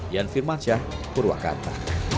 yan firman syah purwakarta